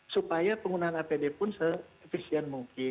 supaya penggunaan apd pun se efisien mungkin